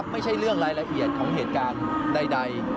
ไม่ใช่เรื่องรายละเอียดของเหตุการณ์ใด